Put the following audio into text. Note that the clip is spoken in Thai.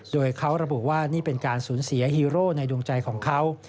โดยเขาระบุว่านี่เป็นการสูญเสียฮีโร่ในดวงใจของเขา